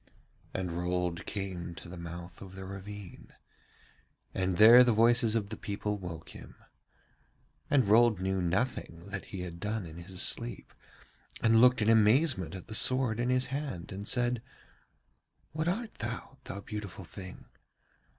And Rold came to the mouth of the ravine, and there the voices of the people woke him. And Rold knew nothing that he had done in his sleep, and looked in amazement at the sword in his hand and said: 'What art thou, thou beautiful thing?